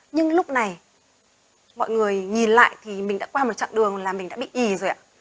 nhưng lúc này mọi người nhìn lại thì mình đã qua một chặng đường là mình đã bị ỉ rồi ạ